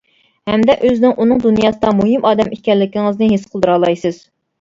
ھەمدە ئۆزىڭىزنىڭ ئۇنىڭ دۇنياسىدا مۇھىم ئادەم ئىكەنلىكىڭىزنى ھېس قىلدۇرالايسىز.